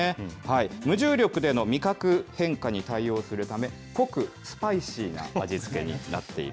無重力での味覚変化に対応するため、濃くスパイシーな味付けになっている。